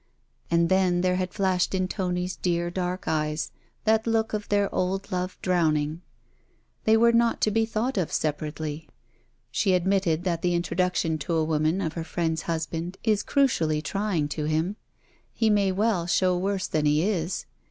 and then there had flashed in Tony's dear dark eyes the look of their old love drowning. They were not to be thought of separately. She admitted that the introduction to a woman of her friend's husband is crucially trying to him: he may well show worse than he is.